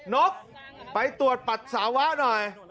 นกไปตรวจปัสสาวะหน่อย